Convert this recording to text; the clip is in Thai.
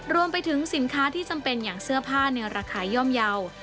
รวมไปถึงสินค้าที่จำเป็นอย่างเสื้อผ้าในราคาย่อมเยาว์